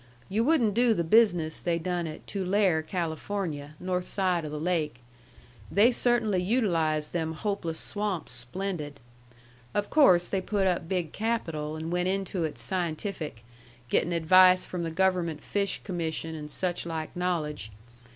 You wouldn't do the business they done at Tulare, California, north side o' the lake. They cert'nly utilized them hopeless swamps splendid. Of course they put up big capital and went into it scientific, gettin' advice from the government Fish Commission, an' such like knowledge.